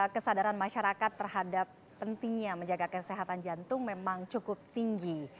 kesadaran masyarakat terhadap pentingnya menjaga kesehatan jantung memang cukup tinggi